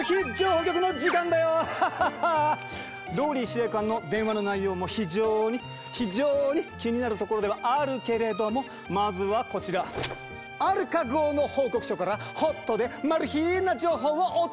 ＲＯＬＬＹ司令官の電話の内容も非常に非常に気になるところではあるけれどもまずはこちら「アルカ号の報告書」からホットでな情報をお届けしよう。